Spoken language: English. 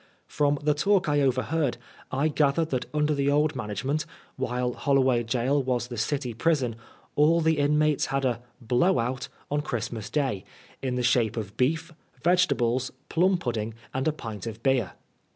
From the talk I overheard, I gathered that under the old management, while HoUoway Gaol was the City Prison, all the inmates had a " blow out " on Christ mas Day, in the shape of beef, vegetables, plum pudding, and a pint of beer.